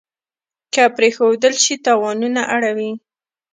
که پرېښودل شي تاوانونه اړوي.